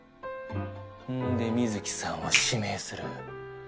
んで美月さんを指名する。